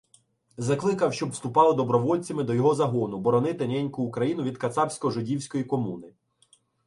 Закликав, щоб вступали добровольцями до його загону, боронити неньку-Україну від кацапсько-жидівської комуни.